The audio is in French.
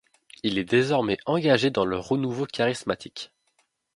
Il est désormais engagé dans le renouveau charismatique.